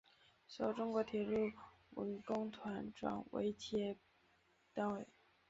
随后中国铁路文工团转为企业单位。